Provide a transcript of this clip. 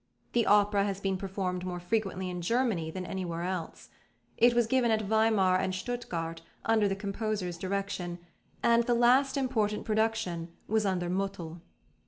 The opera has been performed more frequently in Germany than anywhere else. It was given at Weimar and Stuttgart under the composer's direction, and the last important production was under Mottl.